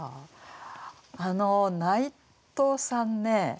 あの内藤さんね